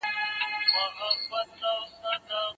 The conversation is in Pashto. که کورنۍ او ښوونځی يوه ژبه وکاروي ذهن ولې نه ګډوډېږي؟